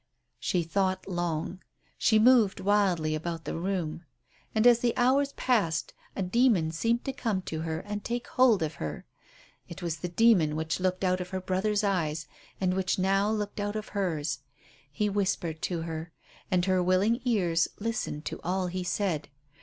She thought long; she moved wildly about the room. And as the hours passed a demon seemed to come to her and take hold of her. It was the demon which looked out of her brother's eyes, and which now looked out of hers. He whispered to her, and her willing ears listened to all he said.